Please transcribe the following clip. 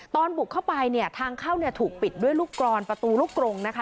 บุกเข้าไปเนี่ยทางเข้าเนี่ยถูกปิดด้วยลูกกรอนประตูลูกกรงนะคะ